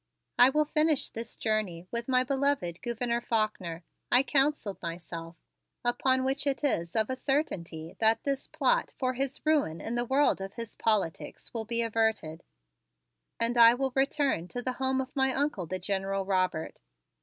"I will finish this journey with my beloved Gouverneur Faulkner," I counseled myself, "upon which it is of a certainty that this plot for his ruin in the world of his politics will be averted, and I will return to the home of my Uncle, the General Robert.